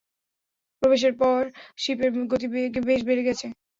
প্রবেশের পর শিপের গতি বেশ বেড়ে গেছে!